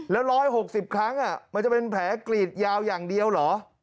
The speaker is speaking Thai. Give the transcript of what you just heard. แล้ว๑๖๐ครั้งมันจะเป็นแผลกรีดยาวอย่างเดียวเหรอ